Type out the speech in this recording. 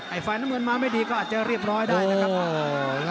ไอ้ฟันเมืองมาไม่ดีก็อาจจะเรียบร้อยได้นะครับ